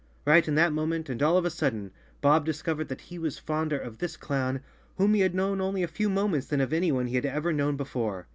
Right in that moment, and all of a sudden, Bob discovered that he was fonder of this clown whom he had known only a few moments than of anyone he had ever known before.